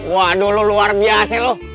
waduh lu luar biasa ya lo